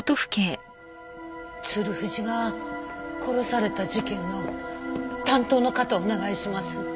鶴藤が殺された事件の担当の方お願いします。